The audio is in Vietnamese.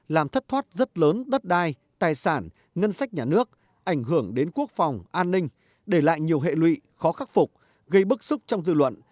làm thất thoát rất lớn đất đai tài sản ngân sách nhà nước ảnh hưởng đến quốc phòng an ninh để lại nhiều hệ lụy khó khắc phục gây bức xúc trong dư luận